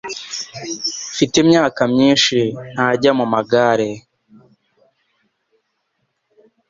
mfite imyaka myinshi ntajya mu magare